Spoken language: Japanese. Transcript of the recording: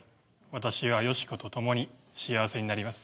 私はヨシコとともに幸せになります。